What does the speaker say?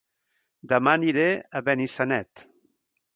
Dema aniré a Benissanet